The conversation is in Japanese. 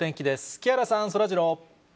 木原さん、そらジロー。